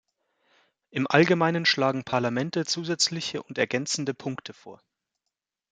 Im Allgemeinen schlagen Parlamente zusätzliche und ergänzende Punkte vor.